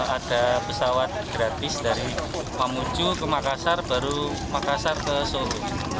ada pesawat gratis dari mamuju ke makassar baru makassar ke solo